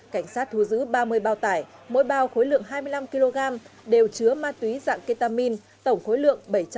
cảnh sát thu giữ ba mươi bao tải mỗi bao khối lượng hai mươi năm kg đều chứa ma túy dạng ketamin tổng khối lượng